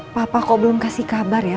papa kok belum kasih kabar ya